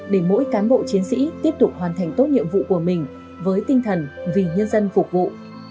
để mỗi cán bộ chiến sĩ tiếp tục hoàn thành tốt nhiệm vụ của mình với tinh thần vì nhân dân phục vụ